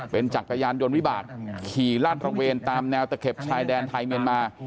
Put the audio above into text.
เป็นจักรยานยนต์วิบากขี่ลาดตระเวนตามแนวตะเข็บชายแดนไทยเมียนมา